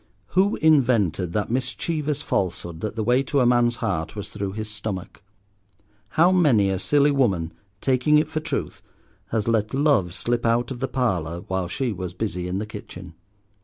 Who invented that mischievous falsehood that the way to a man's heart was through his stomach? How many a silly woman, taking it for truth, has let love slip out of the parlour, while she was busy in the kitchen.